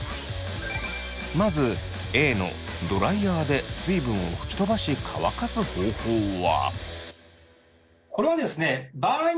まずＡのドライヤーで水分を吹き飛ばし乾かす方法は。